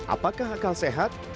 apakah akal sehat